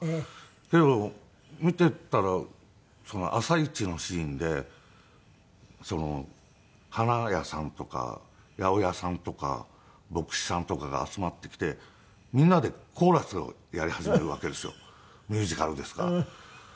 でも見ていたら朝市のシーンで花屋さんとか八百屋さんとか牧師さんとかが集まってきてみんなでコーラスをやり始めるわけですよミュージカルですから。